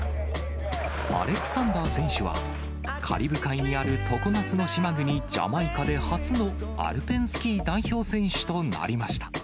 アレクサンダー選手は、カリブ海にある常夏の島国、ジャマイカで初のアルペンスキー代表選手となりました。